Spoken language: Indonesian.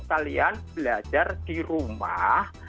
kalian belajar di rumah